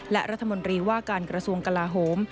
และรัฐมนตรีว่าการกระทรวงกลาโหม